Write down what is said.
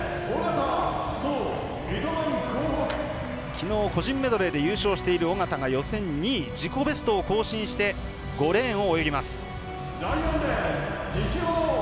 きのう、個人メドレーで優勝している小方が予選２位自己ベストを更新して５レーンを泳ぎます。